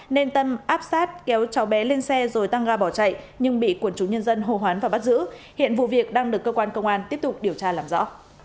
nên tâm áp sát kéo cháu bé lên xe rồi tăng ga bỏ chạy nhưng bị quần chú nhân dân hồ hoán và bắt giữ hiện vụ việc đang được cơ quan công an tiếp tục điều tra làm rõ